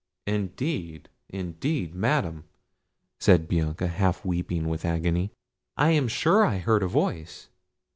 "Indeed! indeed! Madam," said Bianca, half weeping with agony, "I am sure I heard a voice."